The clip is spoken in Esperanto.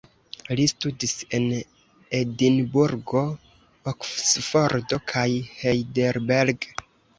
Li studis en Edinburgo, Oksfordo kaj Heidelberg.